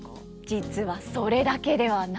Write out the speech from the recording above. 実はそれだけではないんです。